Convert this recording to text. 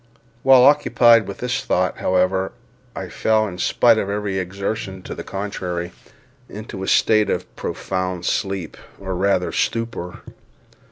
While occupied with this thought, however, I fell in spite of every exertion to the contrary, into a state of profound sleep, or rather stupor.